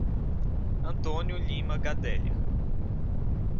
Antônio Lima Gadelha